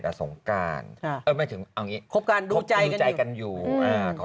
กับสงการเออไม่ถึงเอางี้ครบการดูใจกันอยู่อืมอ่า